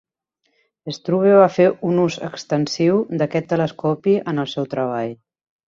Struve va fer un ús extensiu d'aquest telescopi en el seu treball.